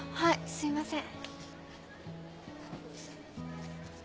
すいません。